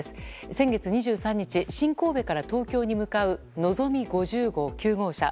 先月２３日、新神戸から東京に向かう「のぞみ」５０号９号車。